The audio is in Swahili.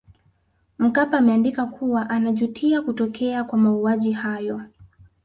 Mkapa ameandika kuwa anajutia kutokea kwa mauaji hayo